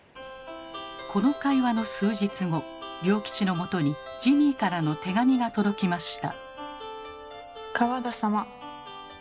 この会話の数日後龍吉のもとにジニーからの手紙が届きました。